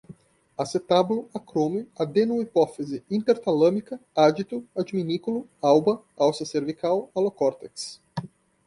acetábulo, acrômio, adeno-hipófise, intertalâmica, ádito, adminículo, alba, alça cervical, alocórtex